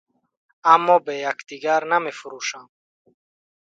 Аммо бе якдигар намефурӯшам.